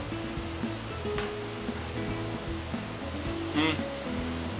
うん。